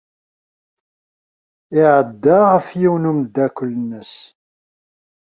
Iɛedda ɣef yiwen n umeddakel-nnes.